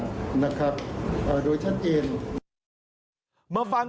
คุณสิริกัญญาบอกว่า๖๔เสียง